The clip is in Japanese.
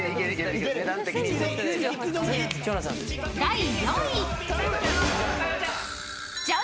［第４位］